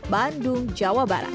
bandung jawa barat